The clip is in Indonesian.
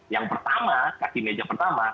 yang pertama kaki meja pertama